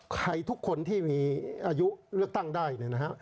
ใครทุกคนที่มีอายุเลือกตั้งได้เนี่ยนะฮะ